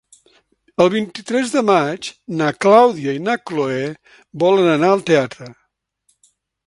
El vint-i-tres de maig na Clàudia i na Cloè volen anar al teatre.